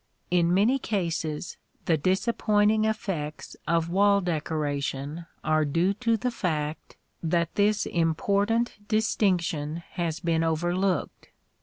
In many cases the disappointing effects of wall decoration are due to the fact that this important distinction has been overlooked.